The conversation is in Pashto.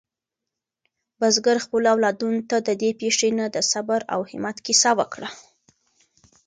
بزګر خپلو اولادونو ته د دې پېښې نه د صبر او همت کیسه وکړه.